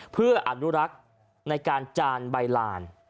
เพื่ออนุรักษ์ในการจานใบลาน